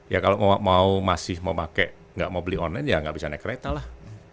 ya kalau mau masih mau pakai nggak mau beli online ya nggak bisa naik kereta lah